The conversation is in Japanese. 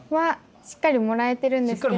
しっかりもらえてるんですけど。